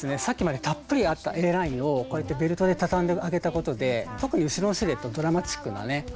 さっきまでたっぷりあったＡラインをこうやってベルトで畳んであげたことで特に後ろのシルエットドラマチックなね